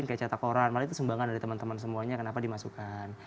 kayak cetak koran malah itu sumbangan dari teman teman semuanya kenapa dimasukkan